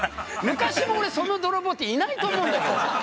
昔もその泥棒っていないと思うんだけど。